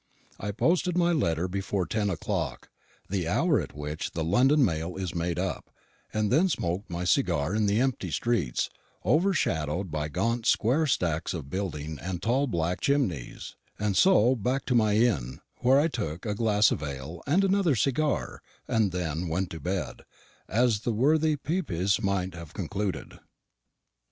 I posted my letter before ten o'clock, the hour at which the London mail is made up, and then smoked my cigar in the empty streets, overshadowed by gaunt square stacks of building and tall black chimneys; and so back to my inn, where I took a glass of ale and another cigar, and then to bed, as the worthy Pepys might have concluded.